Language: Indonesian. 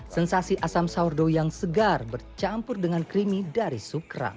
sensasi asam sourdough yang segar bercampur dengan creamy dari sup kerang